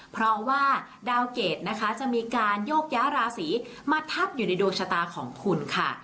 เพราะว่าดาวเกรดนะคะจะมีการโยกย้าราศีมาทับอยู่ในดวงชะตาของคุณค่ะ